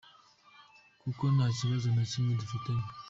Kuko nta kibazo na kimwe dufitanye.